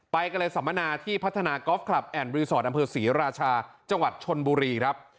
ไปกันเลยสัมมนาที่พัฒนากอล์ฟคลับแอ่นรีสอร์ทอำเภอศรีราชาจังหวัดชนบุรีครับ